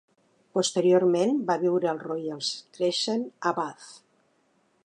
Posteriorment va viure al Royal Crescent a Bath.